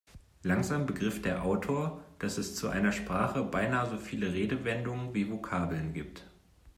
Langsam begriff der Autor, dass es zu einer Sprache beinahe so viele Redewendungen wie Vokabeln gibt.